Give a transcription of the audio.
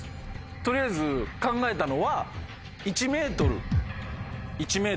取りあえず考えたのは。